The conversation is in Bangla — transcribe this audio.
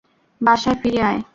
বাসায় ফিরে আয়।